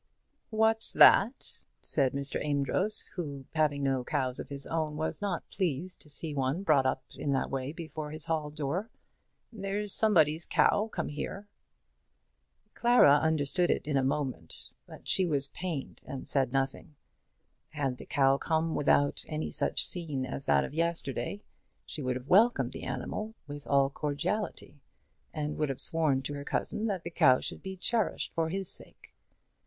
"What's that?" said Mr. Amedroz, who, having no cows of his own, was not pleased to see one brought up in that way before his hall door. "There's somebody's cow come here." Clara understood it in a moment; but she was pained, and said nothing. Had the cow come without any such scene as that of yesterday, she would have welcomed the animal with all cordiality, and would have sworn to her cousin that the cow should be cherished for his sake.